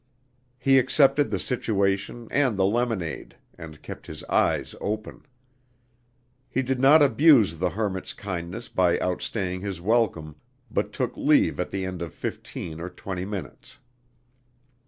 He accepted the situation and the lemonade, and kept his eyes open. He did not abuse the hermit's kindness by outstaying his welcome, but took leave at the end of fifteen or twenty minutes.